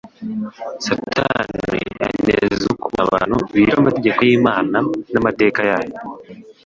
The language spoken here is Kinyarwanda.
Satani anezezwa no kubona abantu bica amategeko y'Imana n'amateka yayo.